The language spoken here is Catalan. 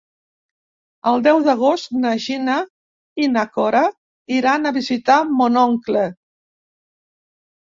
El deu d'agost na Gina i na Cora iran a visitar mon oncle.